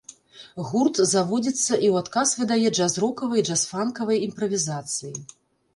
Гурт заводзіцца і ў адказ выдае джаз-рокавыя і джаз-фанкавыя імправізацыі.